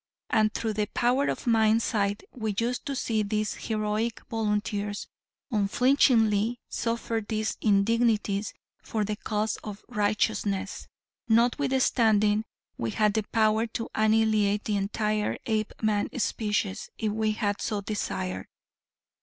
And through the power of mind sight we used to see these heroic volunteers unflinchingly suffer these indignities for the cause of righteousness, notwithstanding we had the power to annihilate the entire Apeman species, if we had so desired.